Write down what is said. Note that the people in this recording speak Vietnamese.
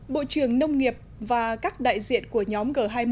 bộ trưởng nông nghiệp và các đại diện của nhóm g hai mươi